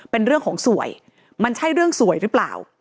เป็นเรื่องของสวยมันใช่เรื่องสวยหรือเปล่า